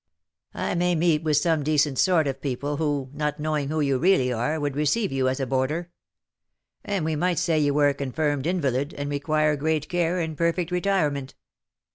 I may meet with some decent sort of people, who, not knowing who you really are, would receive you as a boarder; and we might say you were a confirmed invalid, and required great care and perfect retirement.